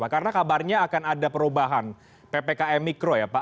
karena kabarnya akan ada perubahan ppkm mikro ya pak